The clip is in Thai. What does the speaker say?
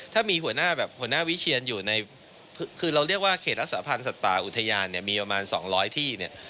ถ้ามีหัวหน้าแบบหัวหน้าวิเชียนอยู่ในคือเราเรียกว่าเขตรักษาพันธ์สัตว์ป่าอุทยานเนี่ยมีประมาณ๒๐๐ที่เนี่ย